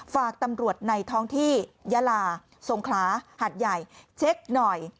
ฝากตำรวจในท้องที่ยาลาสงขลาหัดใหญ่เช็คหน่อย